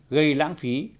gây lãng phí